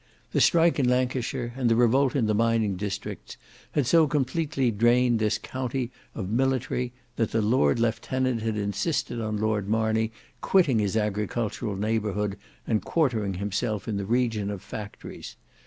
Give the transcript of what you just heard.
The strike in Lancashire and the revolt in the mining districts had so completely drained this county of military, that the lord lieutenant had insisted on Lord Marney quitting his agricultural neighbourhood and quartering himself in the region of factories.